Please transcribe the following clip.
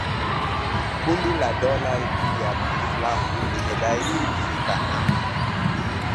Kundi la dola ya Kiislamu limedai kuhusika na